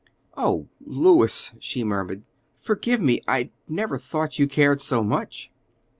"Oh, Louis," she murmured, "forgive me; I never thought you cared so much."